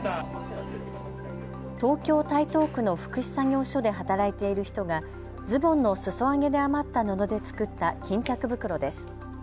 東京台東区の福祉作業所で働いている人がズボンのすそ上げで余った布で作った巾着袋です。